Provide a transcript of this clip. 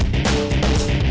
nggak akan ngediam nih